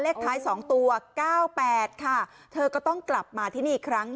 เลขท้าย๒ตัว๙๘ค่ะเธอก็ต้องกลับมาที่นี่อีกครั้ง